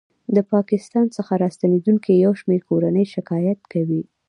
ه پاکستان څخه راستنېدونکې یو شمېر کورنۍ شکایت کوي